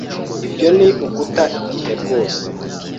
Ibyo ni uguta igihe rwose.